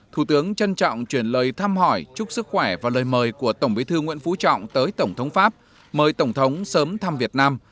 thủ tướng trân trọng chuyển lời thăm hỏi chúc sức khỏe và lời mời của tổng bí thư nguyễn phú trọng tới tổng thống pháp mời tổng thống sớm thăm việt nam